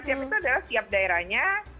lima siap itu adalah siap daerahnya